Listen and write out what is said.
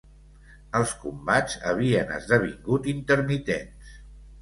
Els combats havien esdevingut intermitents.